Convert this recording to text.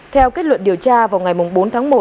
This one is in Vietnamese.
theo kết luận điều tra vào ngày bốn tháng một